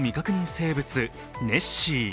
生物、ネッシー。